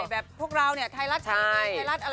แบบพวกเราเนี่ยไทรัสชาวนี้ไทรัสอะไรอย่างนี้